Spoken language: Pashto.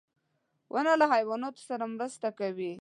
• ونه له حیواناتو سره مرسته کوي.